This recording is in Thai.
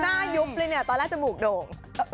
ยุบเลยเนี่ยตอนแรกจมูกโด่ง